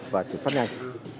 và chuyển phát ngành